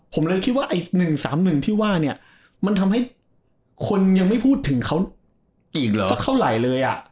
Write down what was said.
ผมเลยคิดว่าไอ้๑๓๑ที่ว่าเนี่ยมันทำให้คนยังไม่พูดถึงเขาอีกเหรอสักเท่าไหร่เลยอ่ะ